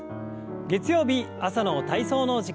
月曜日朝の体操の時間です。